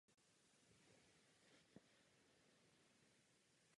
Právě v těchto chvílích se naše Unie vymezuje.